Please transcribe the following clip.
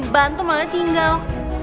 bantu mah aja tinggal